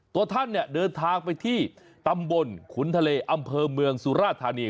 ตัวท่านเนี่ยเดินทางไปที่ตำบลขุนทะเลอำเภอเมืองสุราธานี